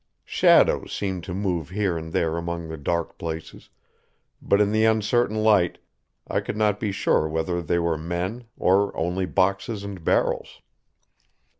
Shadows seemed to move here and there among the dark places, but in the uncertain light I could not be sure whether they were men, or only boxes and barrels.